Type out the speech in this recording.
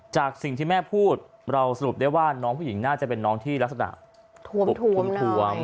จากสิ่งที่แม่พูดเราสรุปได้ว่าน้องผู้หญิงน่าจะเป็นน้องที่ลักษณะทวม